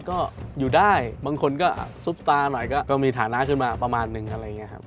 ก็อยู่ได้บางคนก็ซุปตาหน่อยก็มีฐานะขึ้นมาประมาณนึงอะไรอย่างนี้ครับ